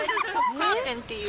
カーテンっていう。